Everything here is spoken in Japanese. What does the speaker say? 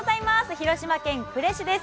広島県呉市です。